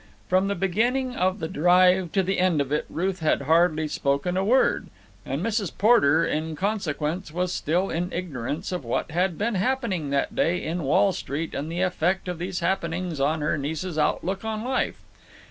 From the beginning of the drive to the end of it Ruth had hardly spoken a word, and Mrs. Porter, in consequence, was still in ignorance of what had been happening that day in Wall Street and the effect of these happenings on her niece's outlook on life.